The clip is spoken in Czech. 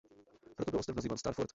Proto byl ostrov nazýván "Star Fort".